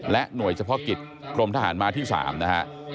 หน่วยเฉพาะกิจกรมทหารมาที่๓นะฮะ